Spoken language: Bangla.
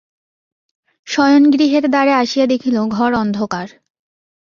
শয়নগৃহের দ্বারে আসিয়া দেখিল ঘর অন্ধকার।